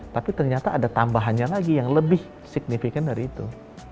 tapi ternyata ada tambahannya lagi yang lebih signifikan dari itu